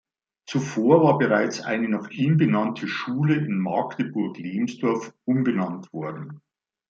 Zuvor war bereits eine nach ihm benannte Schule in Magdeburg-Lemsdorf umbenannt worden.